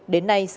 đến nay tự sát